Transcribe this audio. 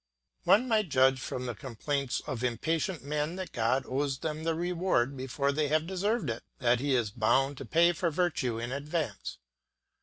One might judge from the complaints of impatient men that God owes them the reward before they have deserved it, that he is bound to pay for virtue in advance.